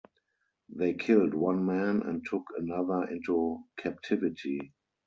They killed one man and took another into captivity.